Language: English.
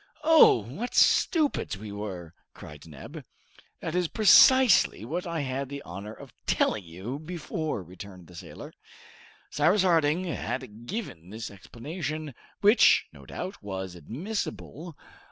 "Oh! what stupids we were!" cried Neb. "That is precisely what I had the honor of telling you before!" returned the sailor. Cyrus Harding had given this explanation, which, no doubt, was admissible.